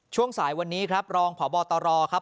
ช่วงสายวันนี้ครับรองพบตรครับ